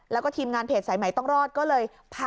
แล้วก็ทีมงานเพจสายใหม่ต้องรอดก็เลยพา